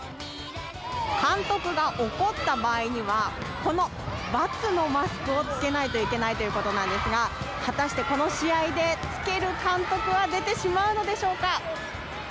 監督が怒った場合にはこの×のマスクを着けなければいけないということなんですが果たして、この試合で着ける監督は出てしまうのでしょうか？